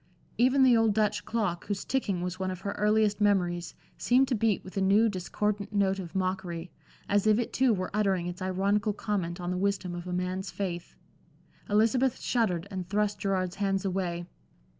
Even the old Dutch clock, whose ticking was one of her earliest memories, seemed to beat with a new, discordant note of mockery, as if it too were uttering its ironical comment on the wisdom of a man's faith. Elizabeth shuddered and thrust Gerard's hands away.